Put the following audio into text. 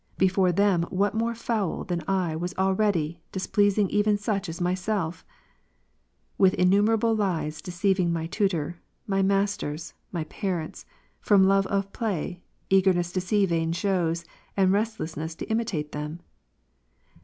Before them what more Ps. 31, foul than I was already, displeasing even such as myself ? with innumerable lies deceiving my tutor, my masters, my parents, from love of play, eagerness to see vain shows, and restlessness to imitate them